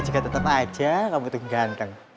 juga tetep aja kamu tuh ganteng